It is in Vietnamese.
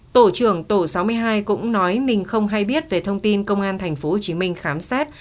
tổ trưởng tổ sáu mươi hai cũng nói mình không hay biết về thông tin công an tp hcm khám xét